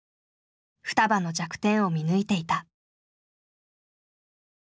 ふたばの弱点を見抜いていた。